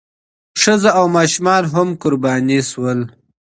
ښځې او ماشومان هم قرباني شول.